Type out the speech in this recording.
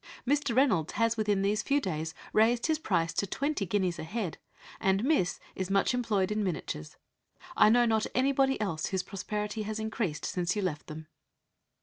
Mr. Reynolds has within these few days raised his price to twenty guineas a head, and Miss is much employed in miniatures. I know not anybody else whose prosperity has increased since you left them."